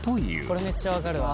これめっちゃ分かるわ。